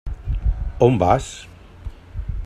On vas?